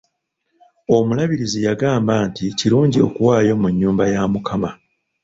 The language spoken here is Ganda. Omulabirizi yagamba nti kirungi okuwaayo mu nnyumba ya mukama.